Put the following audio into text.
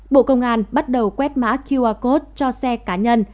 bộ công an bắt đầu quét mã qr code cho xe cá nhân